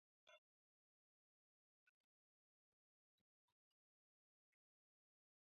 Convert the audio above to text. He learned to play piano, clarinet and alto saxophone in childhood.